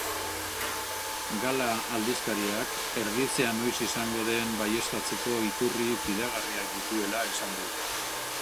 Gala aldizkariak erditzea noiz izango den baieztatzeko iturri fidagarriak dituela esan du.